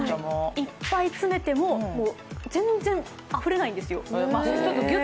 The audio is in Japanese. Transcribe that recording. いっぱい詰めても、全然あふれないんですよ。